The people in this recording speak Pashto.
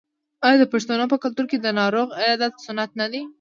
آیا د پښتنو په کلتور کې د ناروغ عیادت سنت نه دی؟